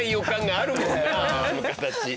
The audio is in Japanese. あの形。